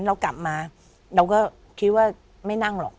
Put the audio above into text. เรากลับมาเราก็คิดว่าไม่นั่งหรอก